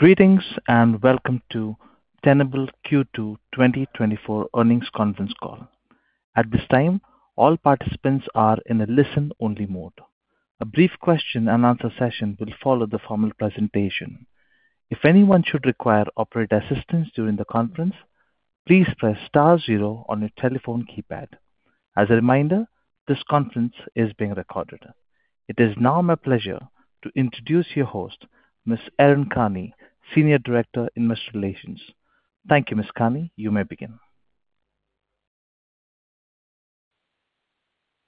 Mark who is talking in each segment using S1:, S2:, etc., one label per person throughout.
S1: Greetings, and welcome to Tenable Q2 2024 Earnings Conference Call. At this time, all participants are in a listen-only mode. A brief question-and-answer session will follow the formal presentation. If anyone should require operator assistance during the conference, please press star zero on your telephone keypad. As a reminder, this conference is being recorded. It is now my pleasure to introduce your host, Ms. Erin Karney, Senior Director in Investor Relations. Thank you, Ms. Karney. You may begin.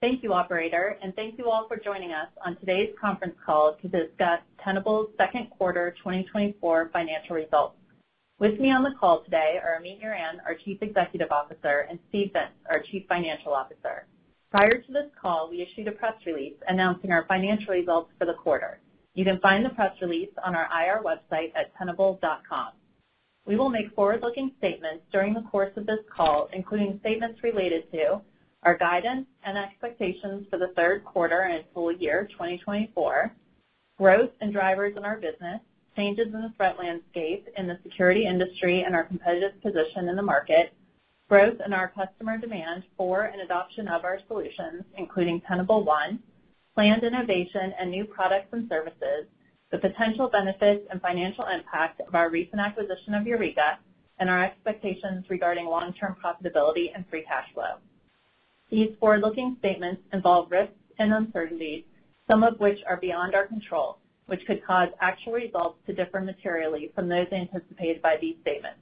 S2: Thank you, Operator, and thank you all for joining us on today's conference call to discuss Tenable's second quarter 2024 financial results. With me on the call today are Amit Yoran, our Chief Executive Officer, and Steve Vintz, our Chief Financial Officer. Prior to this call, we issued a press release announcing our financial results for the quarter. You can find the press release on our IR website at tenable.com. We will make forward-looking statements during the course of this call, including statements related to our guidance and expectations for the third quarter and full year 2024, growth and drivers in our business, changes in the threat landscape in the security industry and our competitive position in the market, growth in our customer demand for and adoption of our solutions, including Tenable One, planned innovation and new products and services, the potential benefits and financial impact of our recent acquisition of Eureka, and our expectations regarding long-term profitability and free cash flow. These forward-looking statements involve risks and uncertainties, some of which are beyond our control, which could cause actual results to differ materially from those anticipated by these statements.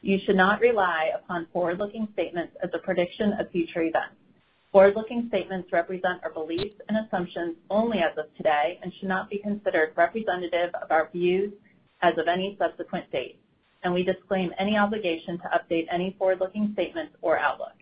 S2: You should not rely upon forward-looking statements as a prediction of future events. Forward-looking statements represent our beliefs and assumptions only as of today and should not be considered representative of our views as of any subsequent date, and we disclaim any obligation to update any forward-looking statements or outlook.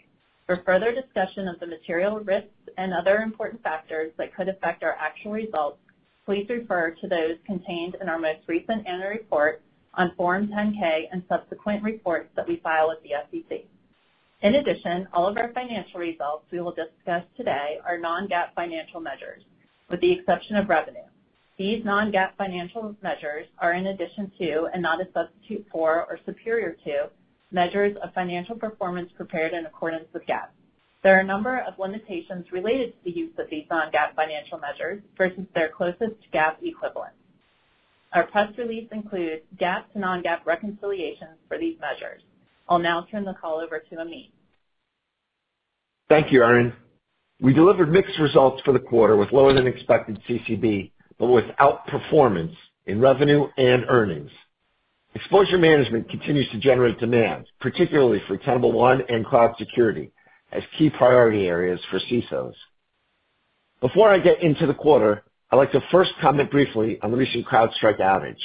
S2: For further discussion of the material risks and other important factors that could affect our actual results, please refer to those contained in our most recent annual report on Form 10-K and subsequent reports that we file with the SEC. In addition, all of our financial results we will discuss today are non-GAAP financial measures, with the exception of revenue. These non-GAAP financial measures are in addition to and not a substitute for or superior to measures of financial performance prepared in accordance with GAAP. There are a number of limitations related to the use of these non-GAAP financial measures versus their closest GAAP equivalents. Our press release includes GAAP to non-GAAP reconciliations for these measures. I'll now turn the call over to Amit.
S3: Thank you, Erin. We delivered mixed results for the quarter, with lower than expected CCB, but with outperformance in revenue and earnings. exposure management continues to generate demand, particularly for Tenable One and cloud security, as CIEM priority areas for CISOs. Before I get into the quarter, I'd like to first comment briefly on the recent CrowdStrike outage.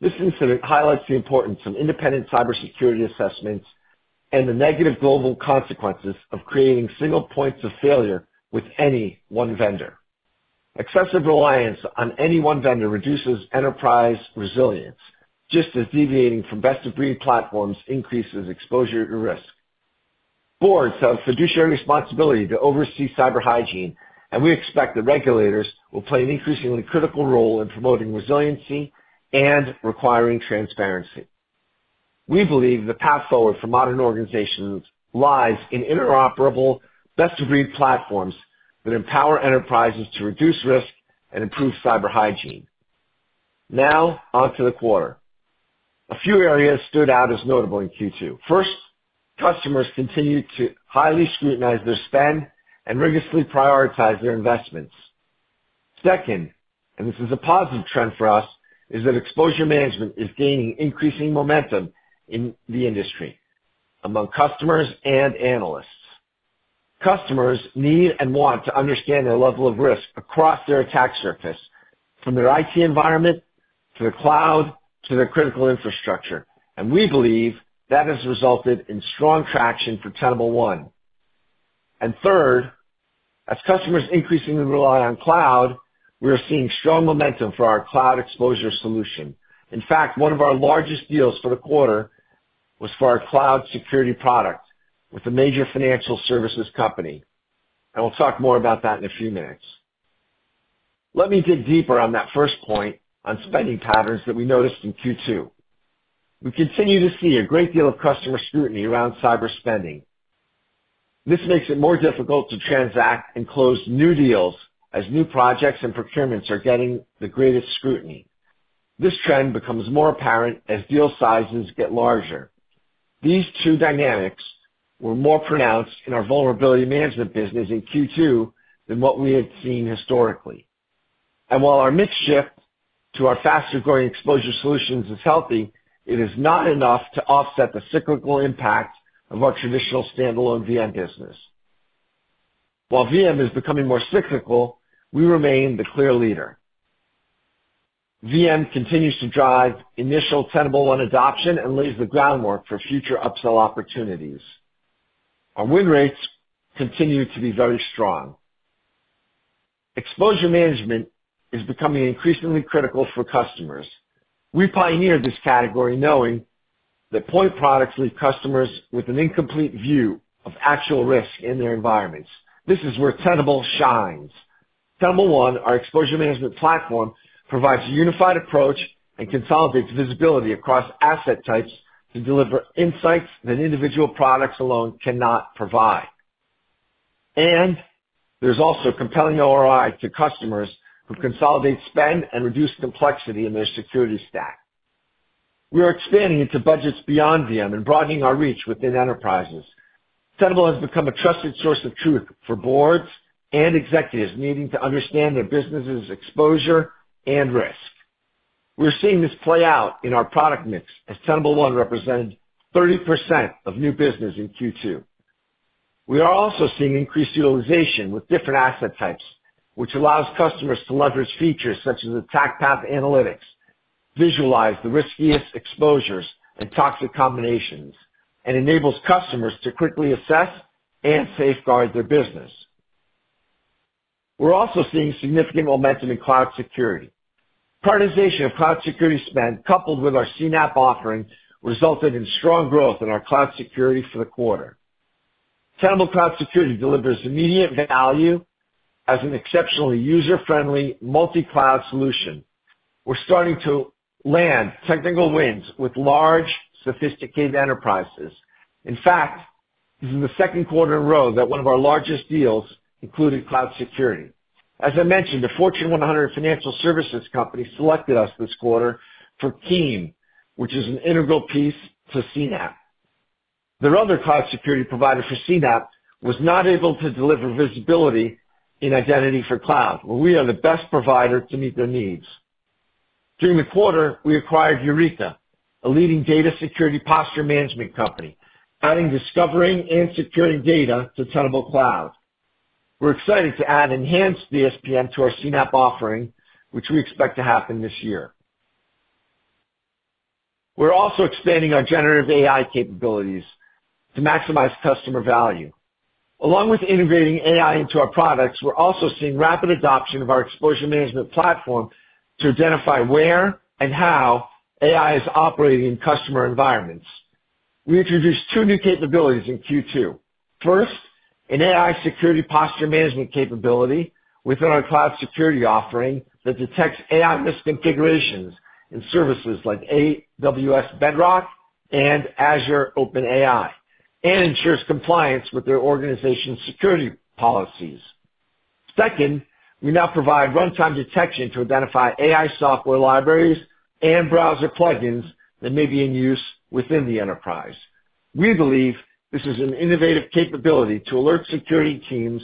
S3: This incident highlights the importance of independent cybersecurity assessments and the negative global consequences of creating single points of failure with any one vendor. Excessive reliance on any one vendor reduces enterprise resilience, just as deviating from best-of-breed platforms increases exposure to risk. Boards have fiduciary responsibility to oversee cyber hygiene, and we expect that regulators will play an increasingly critical role in promoting resiliency and requiring transparency. We believe the path forward for modern organizations lies in interoperable, best-of-breed platforms that empower enterprises to reduce risk and improve cyber hygiene. Now, onto the quarter. A few areas stood out as notable in Q2. First, customers continued to highly scrutinize their spend and rigorously prioritize their investments. Second, and this is a positive trend for us, is that exposure management is gaining increasing momentum in the industry among customers and analysts. Customers need and want to understand their level of risk across their attack surface, from their IT environment to the cloud to their critical infrastructure, and we believe that has resulted in strong traction for Tenable One. And third, as customers increasingly rely on cloud, we are seeing strong momentum for our cloud exposure solution. In fact, one of our largest deals for the quarter was for our cloud security product with a major financial services company, and we'll talk more about that in a few minutes. Let me dig deeper on that first point on spending patterns that we noticed in Q2. We continue to see a great deal of customer scrutiny around cyber spending. This makes it more difficult to transact and close new deals as new projects and procurements are getting the greatest scrutiny. This trend becomes more apparent as deal sizes get larger. These two dynamics were more pronounced in our vulnerability management business in Q2 than what we had seen historically. And while our mix shift to our faster-growing exposure solutions is healthy, it is not enough to offset the cyclical impact of our traditional standalone VM business. While VM is becoming more cyclical, we remain the clear leader. VM continues to drive initial Tenable One adoption and lays the groundwork for future upsell opportunities. Our win rates continue to be very strong. Exposure management is becoming increasingly critical for customers. We pioneered this category. The point products leave customers with an incomplete view of actual risk in their environments. This is where Tenable shines. Tenable One, our exposure management platform, provides a unified approach and consolidates visibility across asset types to deliver insights that individual products alone cannot provide. And there's also a compelling ROI to customers who consolidate spend and reduce complexity in their security stack. We are expanding into budgets beyond VM and broadening our reach within enterprises. Tenable has become a trusted source of truth for boards and executives needing to understand their business's exposure and risk. We're seeing this play out in our product mix, as Tenable One represented 30% of new business in Q2. We are also seeing increased utilization with different asset types, which allows customers to leverage features such as attack path analytics, visualize the riskiest exposures and toxic combinations, and enables customers to quickly assess and safeguard their business. We're also seeing significant momentum in cloud security. Prioritization of cloud security spend, coupled with our CNAPP offering, resulted in strong growth in our cloud security for the quarter. Tenable Cloud Security delivers immediate value as an exceptionally user-friendly, multi-cloud solution. We're starting to land technical wins with large, sophisticated enterprises. In fact, this is the second quarter in a row that one of our largest deals included cloud security. As I mentioned, a Fortune 100 financial services company selected us this quarter for CIEM, which is an integral piece to CNAPP. Their other cloud security provider for CNAPP was not able to deliver visibility in identity for cloud, where we are the best provider to meet their needs. During the quarter, we acquired Eureka, a leading data security posture management company, adding, discovering, and securing data to Tenable Cloud. We're excited to add enhanced DSPM to our CNAPP offering, which we expect to happen this year. We're also expanding our generative AI capabilities to maximize customer value. Along with integrating AI into our products, we're also seeing rapid adoption of our exposure management platform to identify where and how AI is operating in customer environments. We introduced two new capabilities in Q2. First, an AI security posture management capability within our cloud security offering that detects AI risk configurations in services like AWS Bedrock and Azure OpenAI, and ensures compliance with their organization's security policies. Second, we now provide runtime detection to identify AI software libraries and browser plugins that may be in use within the enterprise. We believe this is an innovative capability to alert security teams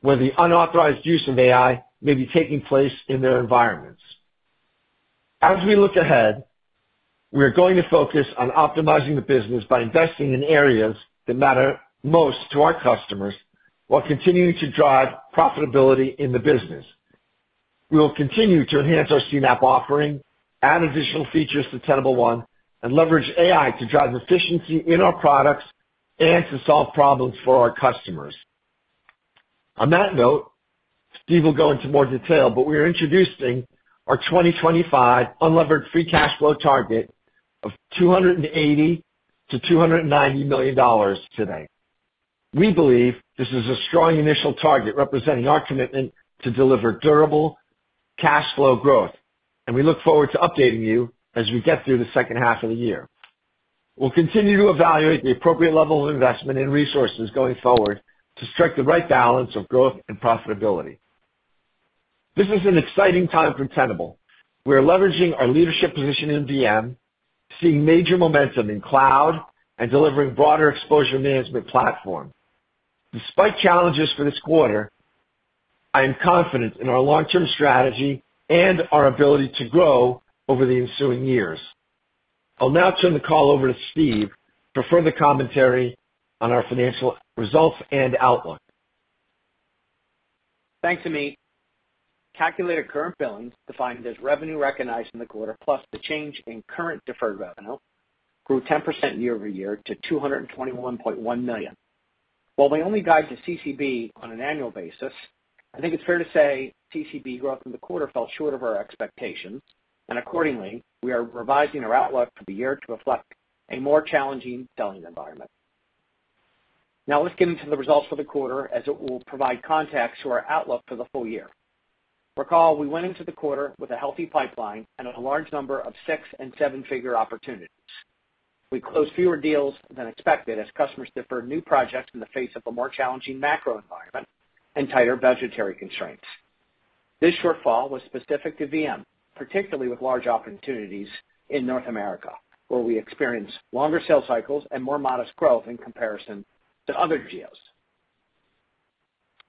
S3: where the unauthorized use of AI may be taking place in their environments. As we look ahead, we are going to focus on optimizing the business by investing in areas that matter most to our customers, while continuing to drive profitability in the business. We will continue to enhance our CNAPP offering, add additional features to Tenable One, and leverage AI to drive efficiency in our products and to solve problems for our customers. On that note, Steve will go into more detail, but we are introducing our 2025 unlevered free cash flow target of $280 million-$290 million today. We believe this is a strong initial target, representing our commitment to deliver durable cash flow growth, and we look forward to updating you as we get through the second half of the year. We'll continue to evaluate the appropriate level of investment in resources going forward to strike the right balance of growth and profitability. This is an exciting time for Tenable. We are leveraging our leadership position in VM, seeing major momentum in cloud, and delivering broader exposure management platform. Despite challenges for this quarter, I am confident in our long-term strategy and our ability to grow over the ensuing years. I'll now turn the call over to Steve for further commentary on our financial results and outlook.
S4: Thanks, Amit. Calculated current billings, defined as revenue recognized in the quarter, plus the change in current deferred revenue, grew 10% year-over-year to $221.1 million. While we only guide to CCB on an annual basis, I think it's fair to say CCB growth in the quarter fell short of our expectations, and accordingly, we are revising our outlook for the year to reflect a more challenging selling environment. Now let's get into the results for the quarter, as it will provide context to our outlook for the full year. Recall, we went into the quarter with a healthy pipeline and a large number of six- and seven-figure opportunities. We closed fewer deals than expected as customers deferred new projects in the face of a more challenging macro environment and tighter budgetary constraints. This shortfall was specific to VM, particularly with large opportunities in North America, where we experienced longer sales cycles and more modest growth in comparison to other geos.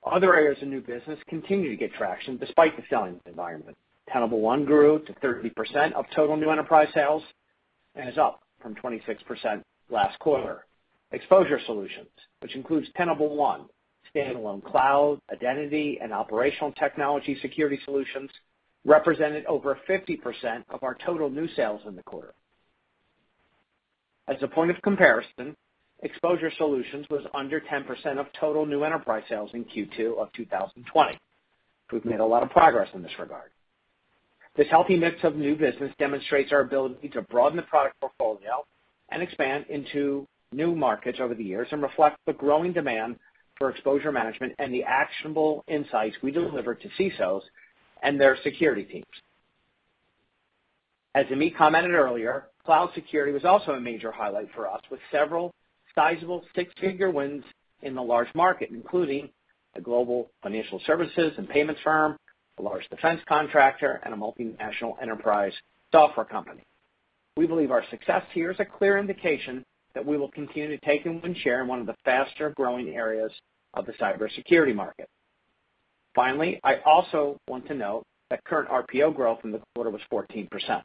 S4: Other areas of new business continue to get traction despite the selling environment. Tenable One grew to 30% of total new enterprise sales and is up from 26% last quarter. Exposure Solutions, which includes Tenable One, standalone cloud, identity, and operational technology security solutions, represented over 50% of our total new sales in the quarter. As a point of comparison, Exposure Solutions was under 10% of total new enterprise sales in Q2 of 2020. We've made a lot of progress in this regard.... This healthy mix of new business demonstrates our ability to broaden the product portfolio and expand into new markets over the years and reflect the growing demand for exposure management and the actionable insights we deliver to CISOs and their security teams. As Amit commented earlier, cloud security was also a major highlight for us, with several sizable six-figure wins in the large market, including a global financial services and payments firm, a large defense contractor, and a multinational enterprise software company. We believe our success here is a clear indication that we will continue to take and win share in one of the faster-growing areas of the cybersecurity market. Finally, I also want to note that current RPO growth in the quarter was 14%.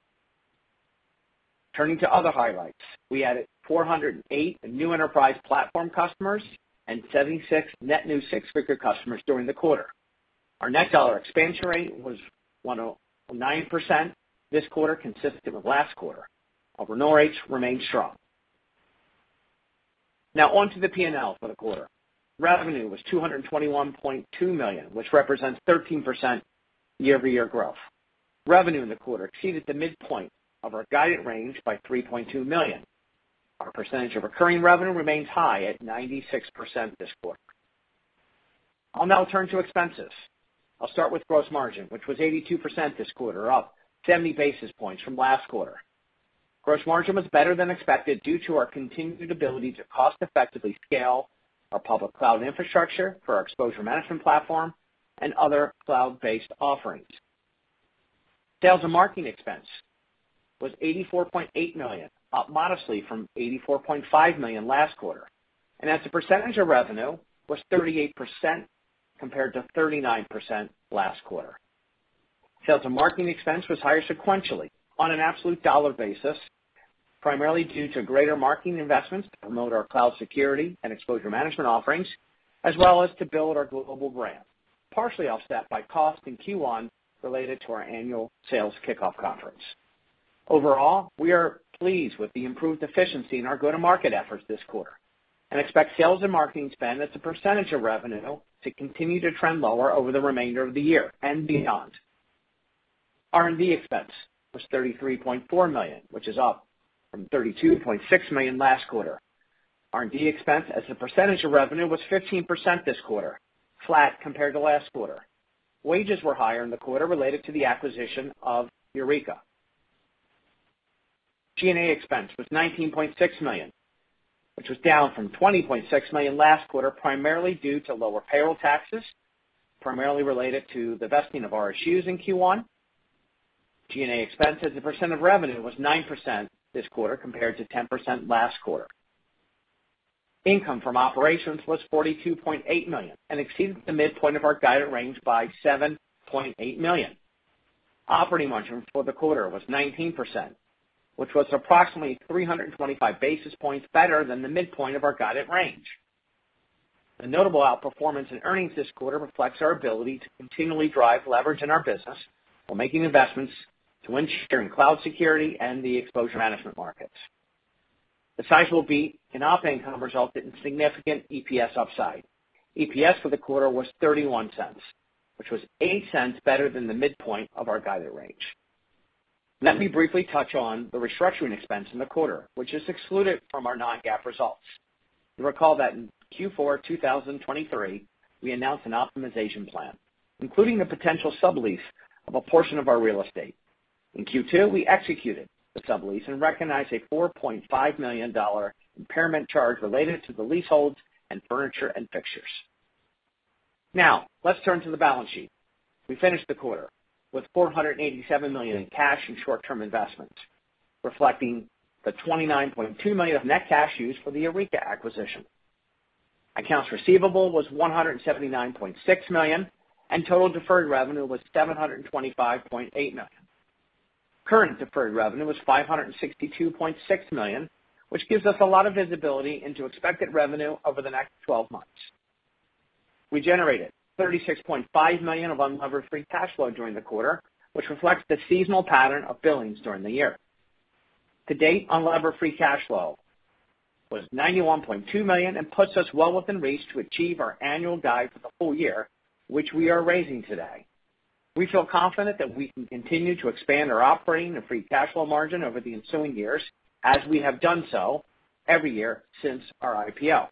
S4: Turning to other highlights, we added 408 new enterprise platform customers and 76 net new six-figure customers during the quarter. Our net dollar expansion rate was 109% this quarter, consistent with last quarter. Our renewal rates remained strong. Now on to the P&L for the quarter. Revenue was $221.2 million, which represents 13% year-over-year growth. Revenue in the quarter exceeded the midpoint of our guided range by $3.2 million. Our percentage of recurring revenue remains high at 96% this quarter. I'll now turn to expenses. I'll start with gross margin, which was 82% this quarter, up 70 basis points from last quarter. Gross margin was better than expected due to our continued ability to cost-effectively scale our public cloud infrastructure for our exposure management platform and other cloud-based offerings. Sales and marketing expense was $84.8 million, up modestly from $84.5 million last quarter, and as a percentage of revenue, was 38% compared to 39% last quarter. Sales and marketing expense was higher sequentially on an absolute dollar basis, primarily due to greater marketing investments to promote our cloud security and exposure management offerings, as well as to build our global brand, partially offset by cost in Q1 related to our annual sales kickoff conference. Overall, we are pleased with the improved efficiency in our go-to-market efforts this quarter and expect sales and marketing spend as a percentage of revenue to continue to trend lower over the remainder of the year and beyond. R&D expense was $33.4 million, which is up from $32.6 million last quarter. R&D expense as a percentage of revenue was 15% this quarter, flat compared to last quarter. Wages were higher in the quarter related to the acquisition of Eureka. G&A expense was $19.6 million, which was down from $20.6 million last quarter, primarily due to lower payroll taxes, primarily related to the vesting of our RSUs in Q1. G&A expense as a percent of revenue was 9% this quarter, compared to 10% last quarter. Income from operations was $42.8 million and exceeded the midpoint of our guided range by $7.8 million. Operating margin for the quarter was 19%, which was approximately 325 basis points better than the midpoint of our guided range. The notable outperformance in earnings this quarter reflects our ability to continually drive leverage in our business while making investments to win share in cloud security and the exposure management markets. The sizable beat in operating income resulted in significant EPS upside. EPS for the quarter was $0.31, which was $0.08 better than the midpoint of our guided range. Let me briefly touch on the restructuring expense in the quarter, which is excluded from our non-GAAP results. You'll recall that in Q4 2023, we announced an optimization plan, including the potential sublease of a portion of our real estate. In Q2, we executed the sublease and recognized a $4.5 million impairment charge related to the leaseholds and furniture and fixtures. Now, let's turn to the balance sheet. We finished the quarter with $487 million in cash and short-term investments, reflecting the $29.2 million of net cash used for the Eureka acquisition. Accounts receivable was $179.6 million, and total deferred revenue was $725.8 million. Current deferred revenue was $562.6 million, which gives us a lot of visibility into expected revenue over the next 12 months. We generated $36.5 million of unlevered free cash flow during the quarter, which reflects the seasonal pattern of billings during the year. To date, unlevered free cash flow was $91.2 million and puts us well within reach to achieve our annual guide for the full year, which we are raising today. We feel confident that we can continue to expand our operating and free cash flow margin over the ensuing years, as we have done so every year since our IPO.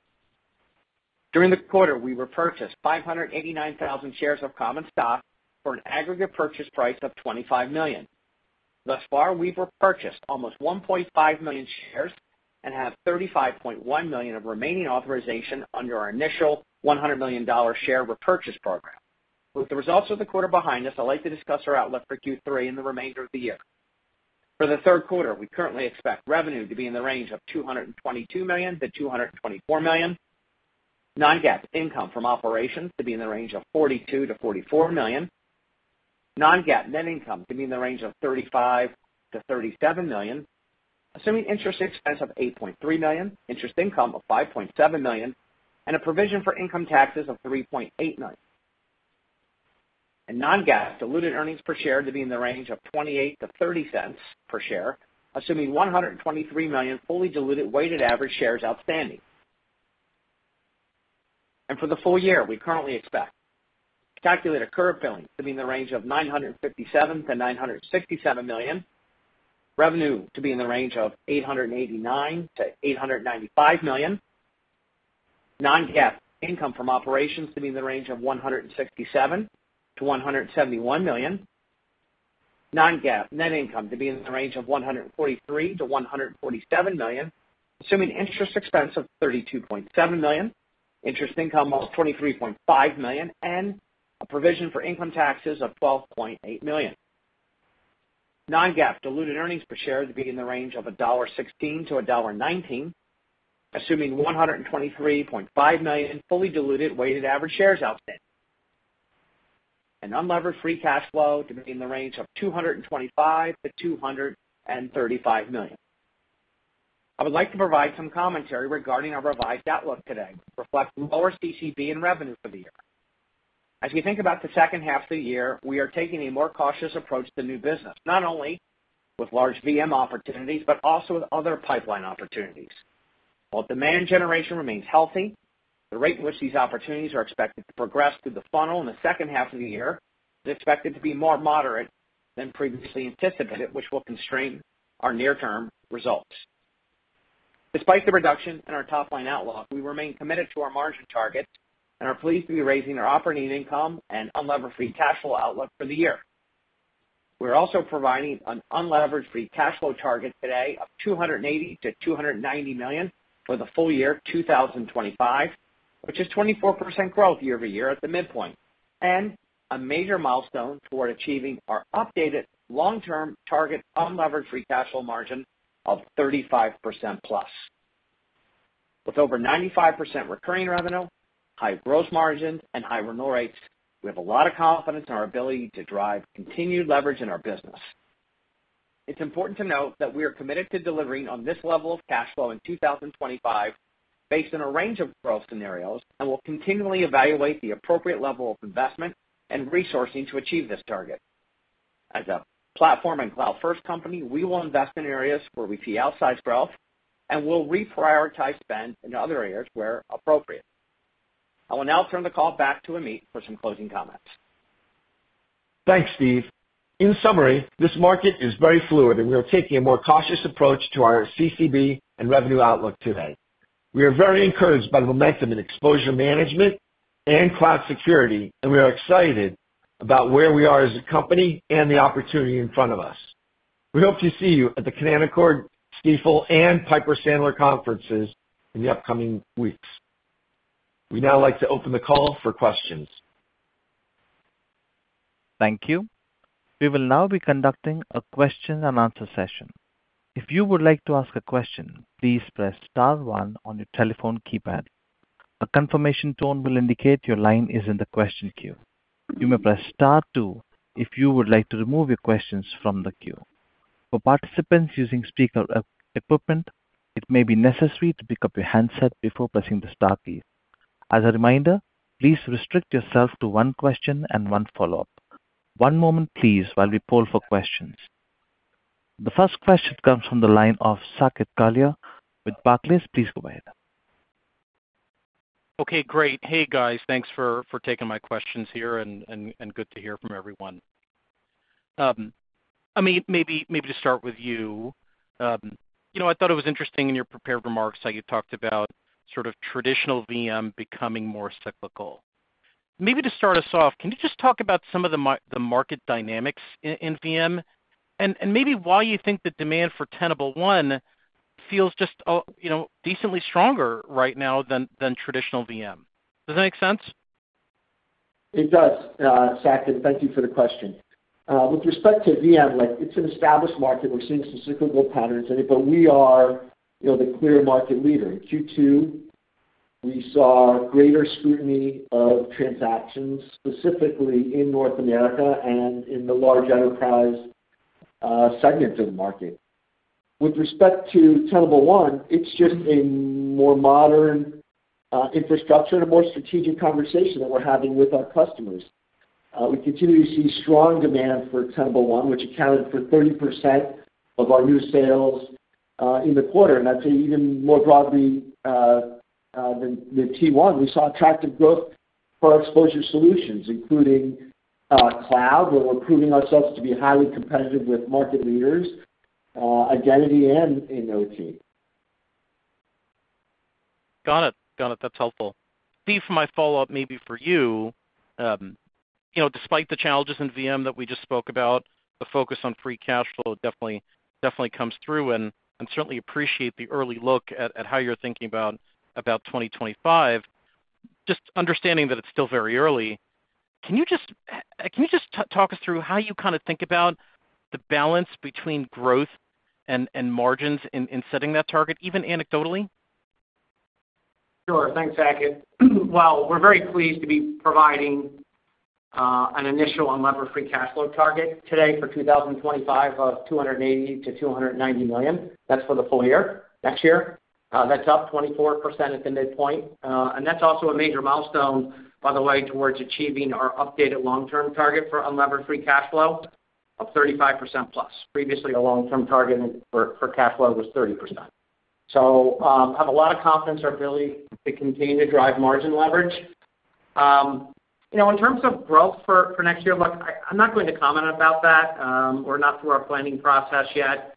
S4: During the quarter, we repurchased 589,000 shares of common stock for an aggregate purchase price of $25 million. Thus far, we've repurchased almost 1.5 million shares and have $35.1 million of remaining authorization under our initial $100 million share repurchase program. With the results of the quarter behind us, I'd like to discuss our outlook for Q3 and the remainder of the year. For the third quarter, we currently expect revenue to be in the range of $222 million-$224 million, non-GAAP income from operations to be in the range of $42 million-$44 million, non-GAAP net income to be in the range of $35 million-$37 million, assuming interest expense of $8.3 million, interest income of $5.7 million, and a provision for income taxes of $3.8 million. Non-GAAP diluted earnings per share to be in the range of $0.28-$0.30 per share, assuming 123 million fully diluted weighted average shares outstanding. For the full year, we currently expect calculated current billings to be in the range of $957 million-$967 million, revenue to be in the range of $889 million-$895 million, non-GAAP income from operations to be in the range of $167 million-$171 million. Non-GAAP net income to be in the range of $143 million-$147 million, assuming interest expense of $32.7 million, interest income of $23.5 million, and a provision for income taxes of $12.8 million. Non-GAAP diluted earnings per share to be in the range of $1.16-$1.19, assuming 123.5 million fully diluted weighted average shares outstanding. Unlevered free cash flow to be in the range of $225 million-$235 million. I would like to provide some commentary regarding our revised outlook today, reflecting lower CCB and revenue for the year. As we think about the second half of the year, we are taking a more cautious approach to new business, not only with large VM opportunities, but also with other pipeline opportunities. While demand generation remains healthy, the rate at which these opportunities are expected to progress through the funnel in the second half of the year is expected to be more moderate than previously anticipated, which will constrain our near-term results. Despite the reduction in our top-line outlook, we remain committed to our margin targets and are pleased to be raising our operating income and unlevered free cash flow outlook for the year. We're also providing an unlevered free cash flow target today of $280 million-$290 million for the full year 2025, which is 24% growth year-over-year at the midpoint, and a major milestone toward achieving our updated long-term target unlevered free cash flow margin of 35%+. With over 95% recurring revenue, high gross margin, and high renewal rates, we have a lot of confidence in our ability to drive continued leverage in our business. It's important to note that we are committed to delivering on this level of cash flow in 2025, based on a range of growth scenarios, and will continually evaluate the appropriate level of investment and resourcing to achieve this target. As a platform and cloud-first company, we will invest in areas where we see outsized growth, and we'll reprioritize spend in other areas where appropriate. I will now turn the call back to Amit for some closing comments.
S3: Thanks, Steve. In summary, this market is very fluid, and we are taking a more cautious approach to our CCB and revenue outlook today. We are very encouraged by the momentum in exposure management and cloud security, and we are excited about where we are as a company and the opportunity in front of us. We hope to see you at the Canaccord, Stifel, and Piper Sandler conferences in the upcoming weeks. We'd now like to open the call for questions.
S1: Thank you. We will now be conducting a question and answer session. If you would like to ask a question, please press star one on your telephone keypad. A confirmation tone will indicate your line is in the question queue. You may press star two if you would like to remove your questions from the queue. For participants using speaker equipment, it may be necessary to pick up your handset before pressing the star key. As a reminder, please restrict yourself to one question and one follow-up. One moment, please, while we poll for questions. The first question comes from the line of Saket Kalia with Barclays. Please go ahead.
S5: Okay, great. Hey, guys, thanks for taking my questions here and good to hear from everyone. Amit, maybe to start with you. You know, I thought it was interesting in your prepared remarks how you talked about sort of traditional VM becoming more cyclical. Maybe to start us off, can you just talk about some of the market dynamics in VM? And maybe why you think the demand for Tenable One feels just, you know, decently stronger right now than traditional VM. Does that make sense?
S3: It does, Saket, thank you for the question. With respect to VM, like, it's an established market. We're seeing some cyclical patterns in it, but we are, you know, the clear market leader. In Q2, we saw greater scrutiny of transactions, specifically in North America and in the large enterprise segments of the market. With respect to Tenable One, it's just a more modern infrastructure and a more strategic conversation that we're having with our customers. We continue to see strong demand for Tenable One, which accounted for 30% of our new sales in the quarter. And I'd say even more broadly than T1, we saw attractive growth for our exposure solutions, including cloud, where we're proving ourselves to be highly competitive with market leaders, identity and in OT.
S5: Got it. Got it, that's helpful. Steve, for my follow-up, maybe for you. You know, despite the challenges in VM that we just spoke about, the focus on free cash flow definitely, definitely comes through, and certainly appreciate the early look at how you're thinking about 2025. Just understanding that it's still very early, can you just can you just talk us through how you kind of think about the balance between growth and margins in setting that target, even anecdotally?
S4: Sure. Thanks, Saket. While we're very pleased to be providing an initial unlevered free cash flow target today for 2025 of $280 million-$290 million, that's for the full year, next year. That's up 24% at the midpoint. And that's also a major milestone, by the way, towards achieving our updated long-term target for unlevered free cash flow of 35%+. Previously, our long-term target for, for cash flow was 30%. So, have a lot of confidence in our ability to continue to drive margin leverage. You know, in terms of growth for, for next year, look, I, I'm not going to comment about that. We're not through our planning process yet,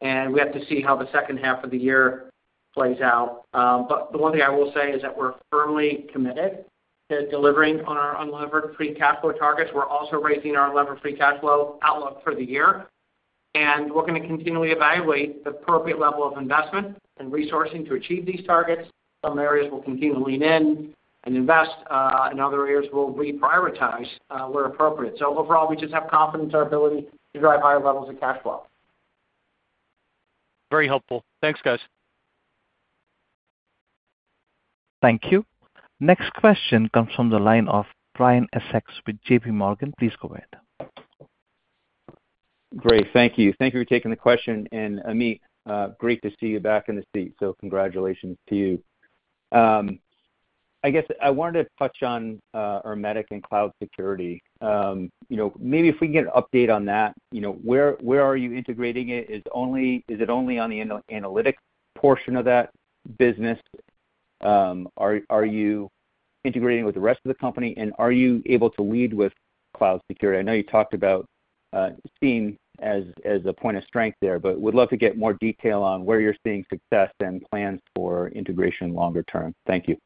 S4: and we have to see how the second half of the year plays out. But the one thing I will say is that we're firmly committed to delivering on our unlevered free cash flow targets. We're also raising our levered free cash flow outlook for the year, and we're going to continually evaluate the appropriate level of investment and resourcing to achieve these targets. Some areas we'll continue to lean in and invest, in other areas, we'll reprioritize, where appropriate. Overall, we just have confidence in our ability to drive higher levels of cash flow.
S5: Very helpful. Thanks, guys.
S1: Thank you. Next question comes from the line of Brian Essex with JPMorgan. Please go ahead.
S6: Great. Thank you. Thank you for taking the question, and Amit, great to see you back in the seat, so congratulations to you. I guess I wanted to touch on, Ermetic and cloud security. You know, maybe if we can get an update on that, you know, where, where are you integrating it? Is only-- is it only on the analytic portion of that business? Are, are you integrating with the rest of the company, and are you able to lead with cloud security? I know you talked about, CIEM as, as a point of strength there, but would love to get more detail on where you're seeing success and plans for integration longer term. Thank you.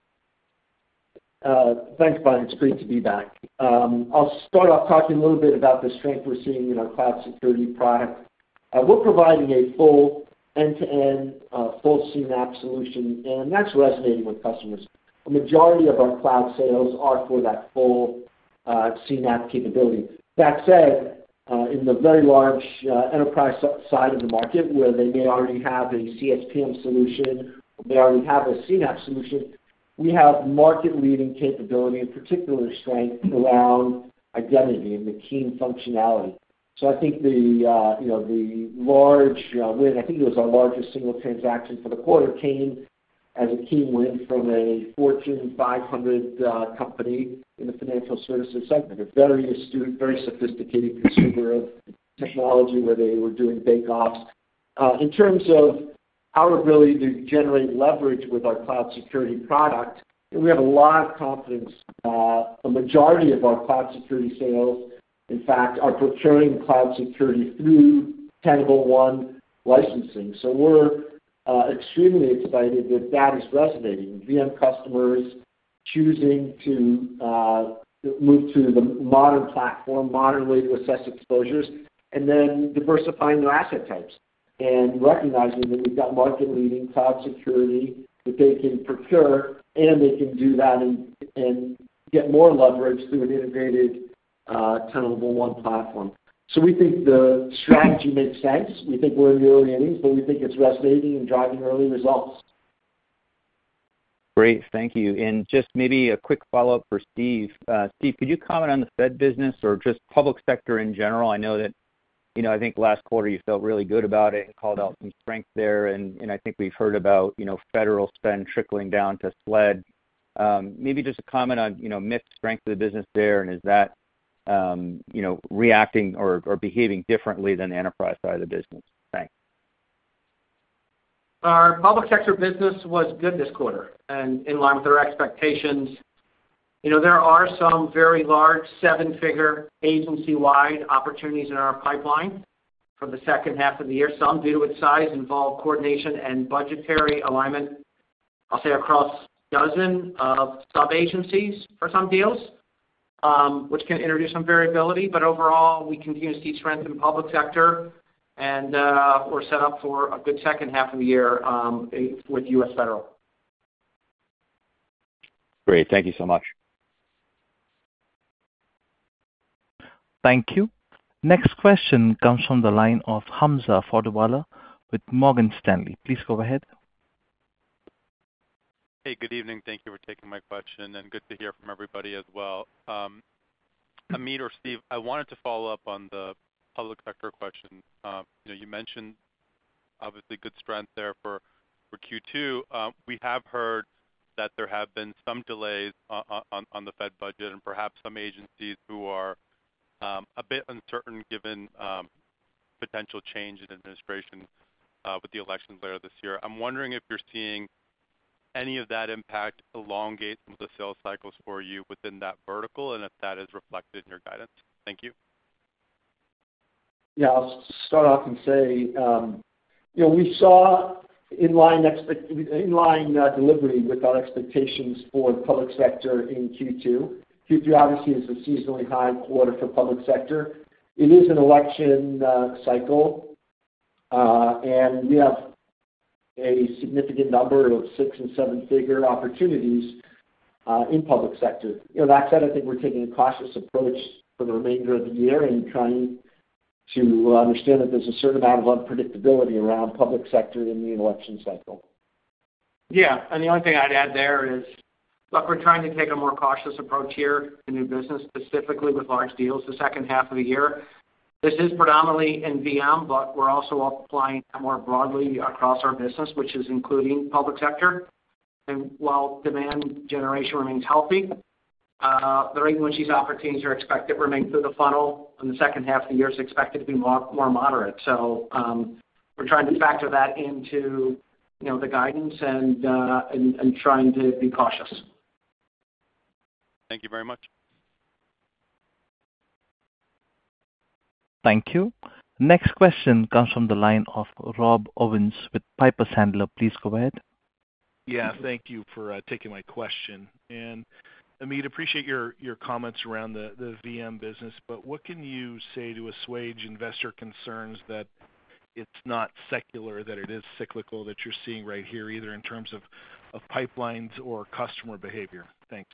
S3: Thanks, Brian. It's great to be back. I'll start off talking a little bit about the strength we're seeing in our cloud security product. We're providing a full end-to-end, full CNAPP solution, and that's resonating with customers. The majority of our cloud sales are for that full, CNAPP capability. That said, in the very large, enterprise side of the market, where they may already have a CSPM solution, or they already have a CNAPP solution, we have market-leading capability and particular strength around identity and the key functionality. So I think the, you know, the large, win, I think it was our largest single transaction for the quarter, came as a key win from a Fortune 500, company in the financial services segment, a very astute, very sophisticated consumer of technology, where they were doing bake-offs. In terms of our ability to generate leverage with our cloud security product, we have a lot of confidence. The majority of our cloud security sales, in fact, are procuring cloud security through Tenable One licensing. So we're extremely excited that that is resonating. VM customers choosing to move to the modern platform, modern way to assess exposures, and then diversifying their asset types and recognizing that we've got market-leading cloud security that they can procure, and they can do that and get more leverage through an integrated Tenable One platform. So we think the strategy makes sense. We think we're in the early innings, but we think it's resonating and driving early results.
S6: Great. Thank you. And just maybe a quick follow-up for Steve. Steve, could you comment on the federal business or just public sector in general? I know that, you know, I think last quarter you felt really good about it and called out some strength there, and I think we've heard about, you know, federal spend trickling down to SLED. Maybe just a comment on, you know, mixed strength of the business there, and is that, you know, reacting or behaving differently than the enterprise side of the business? Thanks.
S4: Our public sector business was good this quarter and in line with our expectations. You know, there are some very large seven-figure, agency-wide opportunities in our pipeline for the second half of the year. Some, due to its size, involve coordination and budgetary alignment, I'll say, across dozens of sub-agencies for some deals, which can introduce some variability. But overall, we continue to see strength in the public sector, and we're set up for a good second half of the year with U.S. Federal.
S6: Great. Thank you so much.
S1: Thank you. Next question comes from the line of Hamza Fodderwala with Morgan Stanley. Please go ahead.
S7: Hey, good evening. Thank you for taking my question, and good to hear from everybody as well. Amit or Steve, I wanted to follow up on the public sector question. You know, you mentioned obviously good strength there for Q2. We have heard that there have been some delays on the Fed budget and perhaps some agencies who are a bit uncertain, given potential change in administration with the elections later this year. I'm wondering if you're seeing any of that impact elongate some of the sales cycles for you within that vertical, and if that is reflected in your guidance. Thank you.
S3: Yeah. I'll start off and say, you know, we saw in line delivery with our expectations for the public sector in Q2. Q3 obviously is a seasonally high quarter for public sector. It is an election cycle, and we have a significant number of six and seven-figure opportunities in public sector. You know, that said, I think we're taking a cautious approach for the remainder of the year and trying to understand that there's a certain amount of unpredictability around public sector in the election cycle.
S4: Yeah, and the only thing I'd add there is, look, we're trying to take a more cautious approach here in new business, specifically with large deals the second half of the year. This is predominantly in VM, but we're also applying it more broadly across our business, which is including public sector.and while demand generation remains healthy, the revenue these opportunities are expected to remain through the funnel, and the second half of the year is expected to be more, more moderate. So, we're trying to factor that into, you know, the guidance and trying to be cautious.
S7: Thank you very much.
S1: Thank you. Next question comes from the line of Rob Owens with Piper Sandler. Please go ahead.
S8: Yeah, thank you for taking my question. And Amit, appreciate your, your comments around the, the VM business, but what can you say to assuage investor concerns that it's not secular, that it is cyclical, that you're seeing right here, either in terms of, of pipelines or customer behavior? Thanks.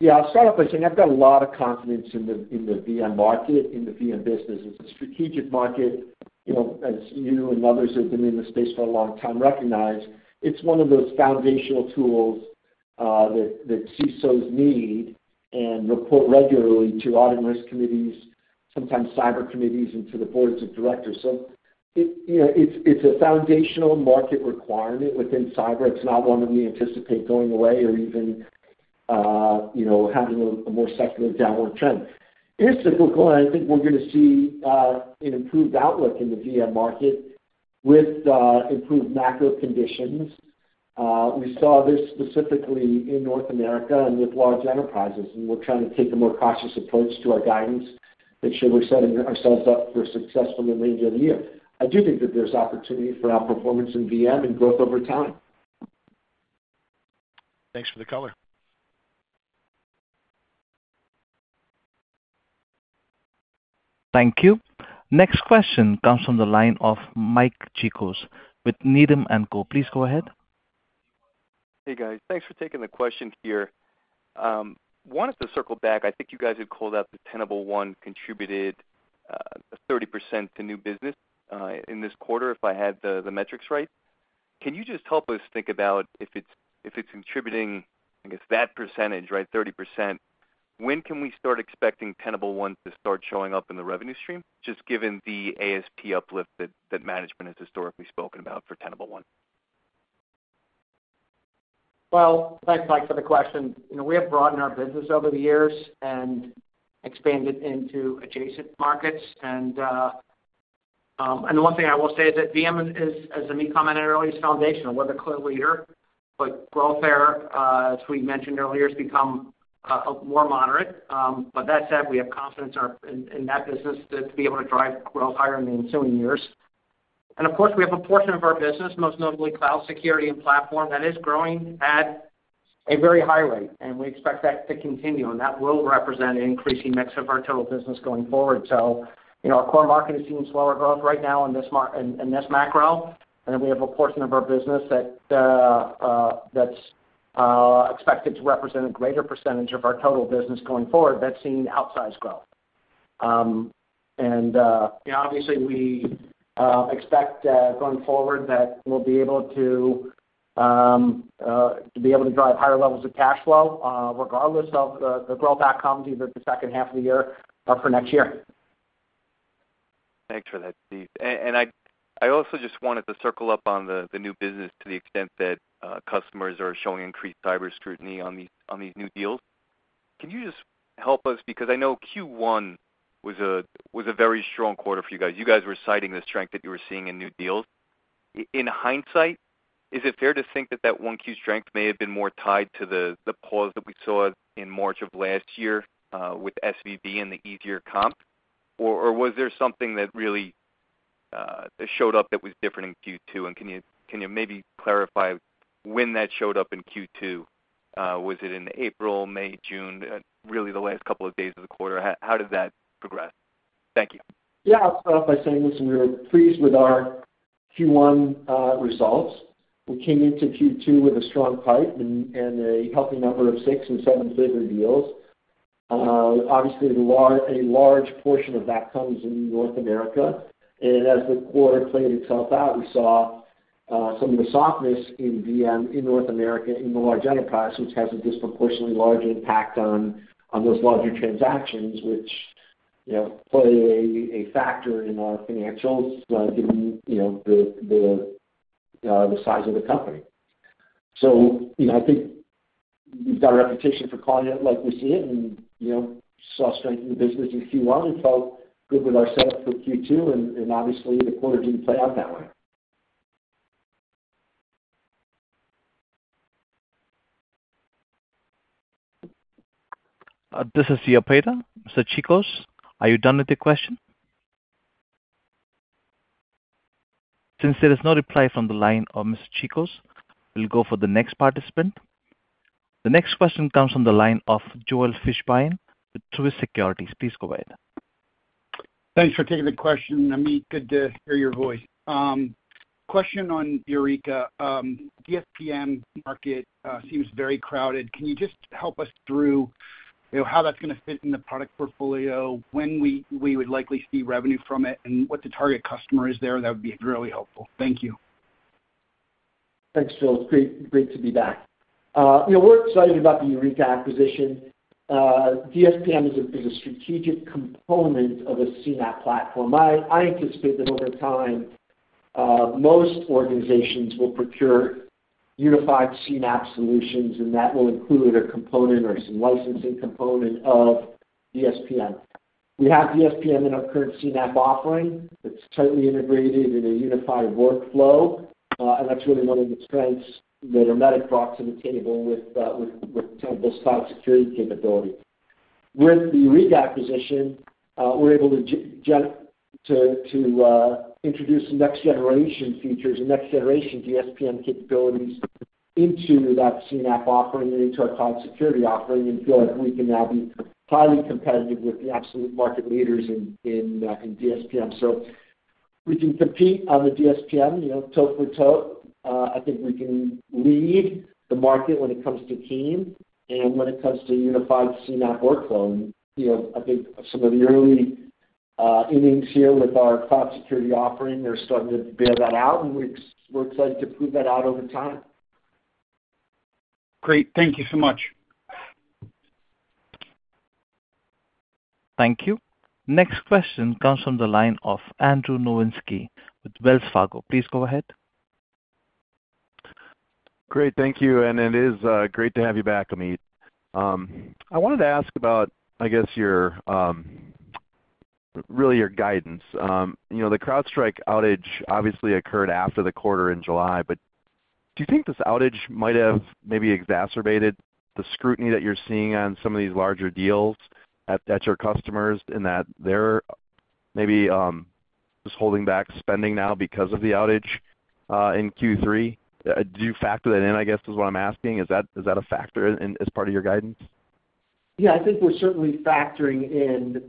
S3: Yeah, I'll start off by saying I've got a lot of confidence in the VM market, in the VM business. It's a strategic market. You know, as you and others who have been in the space for a long time recognize, it's one of those foundational tools that CISOs need and report regularly to audit risk committees, sometimes cyber committees, and to the boards of directors. So it you know, it's a foundational market requirement within cyber. It's not one that we anticipate going away or even you know, having a more secular downward trend. It is cyclical, and I think we're gonna see an improved outlook in the VM market with improved macro conditions. We saw this specifically in North America and with large enterprises, and we're trying to take a more cautious approach to our guidance, make sure we're setting ourselves up for success from the remainder of the year. I do think that there's opportunity for our performance in VM and growth over time.
S8: Thanks for the color.
S1: Thank you. Next question comes from the line of Mike Cikos with Needham & Co. Please go ahead.
S9: Hey, guys. Thanks for taking the question here. Wanted to circle back. I think you guys had called out that Tenable One contributed 30% to new business in this quarter, if I had the metrics right. Can you just help us think about if it's contributing, I guess, that percentage, right, 30%, when can we start expecting Tenable One to start showing up in the revenue stream, just given the ASP uplift that management has historically spoken about for Tenable One?
S4: Well, thanks, Mike, for the question. You know, we have broadened our business over the years and expanded into adjacent markets. And the one thing I will say is that VM is, as Amit commented earlier, is foundational. We're the clear leader, but growth there, as we mentioned earlier, has become more moderate. But that said, we have confidence in our in that business to be able to drive growth higher in the ensuing years. And of course, we have a portion of our business, most notably cloud security and platform, that is growing at a very high rate, and we expect that to continue, and that will represent an increasing mix of our total business going forward. So, you know, our core market is seeing slower growth right now in this macro. Then we have a portion of our business that that's expected to represent a greater percentage of our total business going forward that's seeing outsized growth. You know, obviously, we expect going forward that we'll be able to be able to drive higher levels of cash flow, regardless of the growth that comes either the second half of the year or for next year.
S9: Thanks for that, Steve. And I also just wanted to circle up on the new business to the extent that customers are showing increased cyber scrutiny on these new deals. Can you just help us? Because I know Q1 was a very strong quarter for you guys. You guys were citing the strength that you were seeing in new deals. In hindsight, is it fair to think that that one Q strength may have been more tied to the pause that we saw in March of last year with SVB and the easier comp? Or was there something that really showed up that was different in Q2, and can you maybe clarify when that showed up in Q2? Was it in April, May, June, really the last couple of days of the quarter? How did that progress? Thank you.
S3: Yeah. I'll start off by saying this, and we were pleased with our Q1 results. We came into Q2 with a strong pipe and a healthy number of 6- and 7-figure deals. Obviously, a large portion of that comes in North America, and as the quarter played itself out, we saw some of the softness in VM, in North America, in the large enterprise, which has a disproportionately large impact on those larger transactions, which, you know, play a factor in our financials, given, you know, the size of the company. So, you know, I think we've got a reputation for calling it like we see it and, you know, saw strength in the business in Q1 and felt good with ourselves for Q2, and obviously, the quarter didn't play out that way.
S1: This is Peter. Mr. Cikos, are you done with your question? Since there is no reply from the line of Mr. Cikos, we'll go for the next participant. The next question comes from the line of Joel Fishbein with Truist Securities. Please go ahead.
S10: Thanks for taking the question, Amit. Good to hear your voice. Question on Eureka. DSPM market seems very crowded. Can you just help us through, you know, how that's gonna fit in the product portfolio, when we would likely see revenue from it, and what the target customer is there? That would be really helpful. Thank you.
S3: Thanks, Joel. It's great, great to be back. You know, we're excited about the Eureka acquisition. DSPM is a strategic component of a CNAPP platform. I anticipate that over time, most organizations will procure unified CNAPP solutions, and that will include a component or some licensing component of DSPM. We have DSPM in our current CNAPP offering. It's tightly integrated in a unified workflow, and that's really one of the strengths that Ermetic brought to the table with cloud security capability. With the Eureka acquisition, we're able to introduce next-generation features and next-generation DSPM capabilities into that CNAPP offering and into our cloud security offering, and feel like we can now be highly competitive with the absolute market leaders in DSPM. So we can compete on the DSPM, you know, toe-to-toe. I think we can lead the market when it comes to CIEM and when it comes to unified CNAPP workflow. You know, I think some of the early innings here with our cloud security offering are starting to bear that out, and we're excited to prove that out over time.
S10: Great. Thank you so much.
S1: Thank you. Next question comes from the line of Andrew Nowinski with Wells Fargo. Please go ahead.
S11: Great, thank you, and it is, great to have you back, Amit. I wanted to ask about, I guess, your, really your guidance. You know, the CrowdStrike outage obviously occurred after the quarter in July, but do you think this outage might have maybe exacerbated the scrutiny that you're seeing on some of these larger deals at your customers, in that they're maybe, just holding back spending now because of the outage, in Q3? Do you factor that in, I guess, is what I'm asking. Is that a factor in, as part of your guidance?
S3: Yeah, I think we're certainly factoring in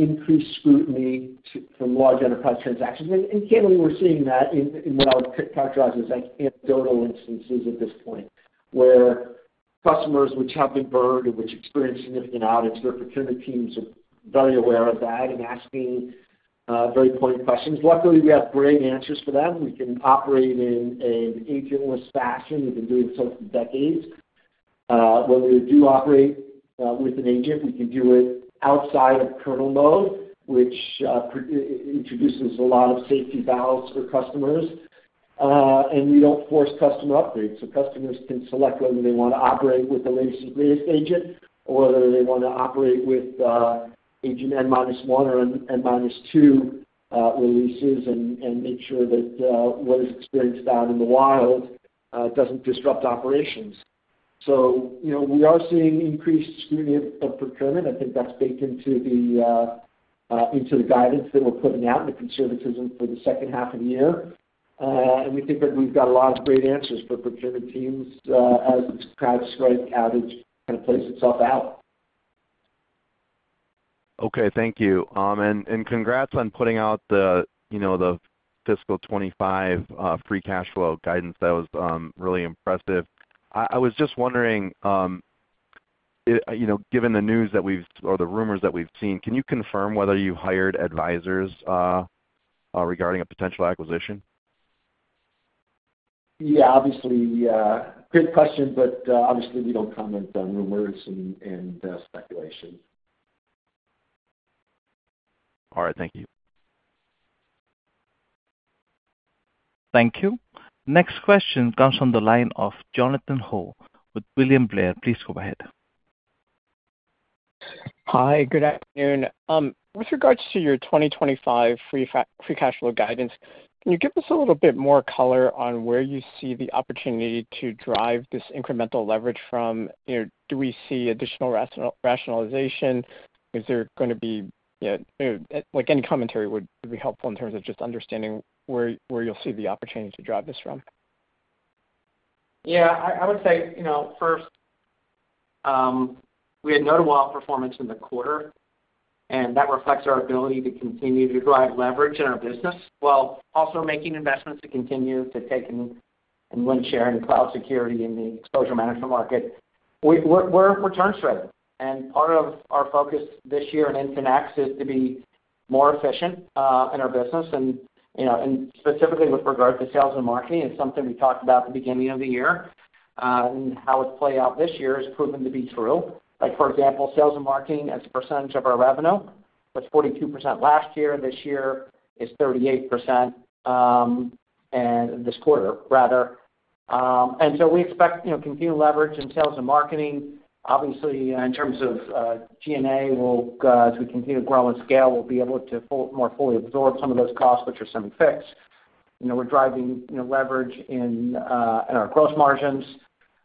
S3: increased scrutiny to from large enterprise transactions. And clearly we're seeing that in what I would characterize as, like, anecdotal instances at this point, where customers which have been burned and which experience significant audits, their procurement teams are very aware of that and asking very pointed questions. Luckily, we have great answers for them. We can operate in an agentless fashion. We've been doing so for decades. When we do operate with an agent, we can do it outside of kernel mode, which introduces a lot of safety valves for customers. And we don't force customer upgrades, so customers can select whether they want to operate with the latest and greatest agent, or whether they want to operate with agent N minus one or N, N minus two releases and make sure that what is experienced out in the wild doesn't disrupt operations. So, you know, we are seeing increased scrutiny of procurement. I think that's baked into the guidance that we're putting out and the conservatism for the second half of the year. And we think that we've got a lot of great answers for procurement teams, as this CrowdStrike outage kind of plays itself out.
S11: Okay, thank you. And congrats on putting out the, you know, the fiscal 2025 free cash flow guidance. That was really impressive. I was just wondering, you know, given the news that we've or the rumors that we've seen, can you confirm whether you've hired advisors regarding a potential acquisition?
S3: Yeah, obviously, great question, but, obviously, we don't comment on rumors and speculation.
S11: All right. Thank you.
S1: Thank you. Next question comes from the line of Jonathan Ho with William Blair. Please go ahead.
S12: Hi, good afternoon. With regards to your 2025 free cash flow guidance, can you give us a little bit more color on where you see the opportunity to drive this incremental leverage from? You know, do we see additional rationalization? Is there going to be like, any commentary would be helpful in terms of just understanding where you'll see the opportunity to drive this from.
S3: Yeah, I would say, you know, first, we had notable performance in the quarter, and that reflects our ability to continue to drive leverage in our business, while also making investments to continue to take and win share in the cloud security and the exposure management market. We are turning more efficient, and part of our focus this year and next is to be more efficient in our business and, you know, and specifically with regard to sales and marketing. It's something we talked about at the beginning of the year, and how it's played out this year has proven to be true. Like, for example, sales and marketing, as a percentage of our revenue, was 42% last year, and this year is 38%, and this quarter, rather. And so we expect, you know, continued leverage in sales and marketing. Obviously, in terms of G&A, we'll, as we continue to grow and scale, we'll be able to full, more fully absorb some of those costs, which are semi-fixed. You know, we're driving, you know, leverage in, in our gross margins